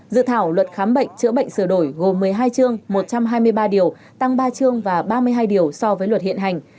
dự thảo luật khám bệnh chữa bệnh sửa đổi gồm một mươi hai chương một trăm hai mươi ba điều tăng ba chương và ba mươi hai điều so với luật hiện hành